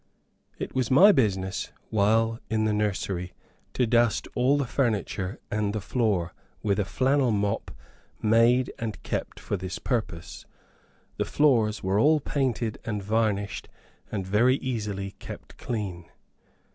It was my business, while in the nursery, to dust all the furniture and the floor, with a flannel mop, made and kept for this purpose. The floors were all painted and varnished, and very easily kept clean.